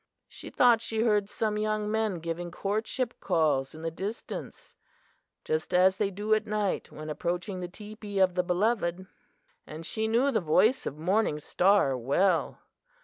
She thought she heard some young men giving courtship calls in the distance, just as they do at night when approaching the teepee of the beloved; and she knew the voice of Morning Star well!